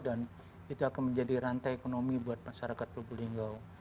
dan itu akan menjadi rantai ekonomi buat masyarakat lubuk linggal